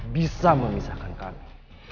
bisa memisahkan kami